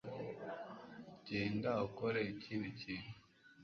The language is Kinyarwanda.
genda ukore ikindi kintu